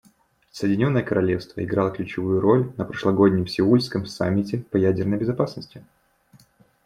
Соединенное Королевство играло ключевую роль на прошлогоднем сеульском саммите по ядерной безопасности.